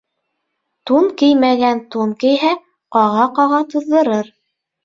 Тун кеймәгән тун кейһә, ҡаға-ҡаға туҙҙырыр.